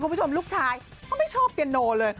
คุณผู้ชมลูกชายเขาไม่ชอบเพียโนเลย